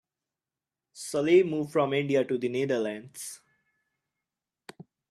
Salim moved from India to the Netherlands.